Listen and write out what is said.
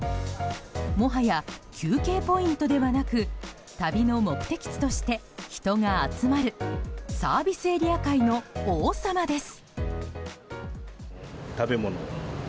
もはや休憩ポイントではなく旅の目的地として人が集まるサービスエリア界の王様です。